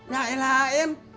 ya lah em